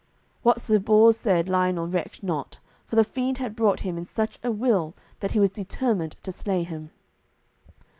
What Sir Bors said Lionel recked not, for the fiend had brought him in such a will that he was determined to slay him.